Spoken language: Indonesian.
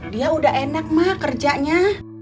dia udah enak mak kerjanya